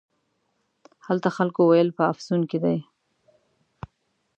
هلته خلکو ویل په افسون کې دی.